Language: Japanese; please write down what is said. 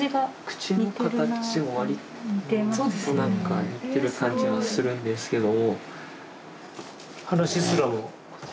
口の形もわりとなんか似てる感じがするんですけど。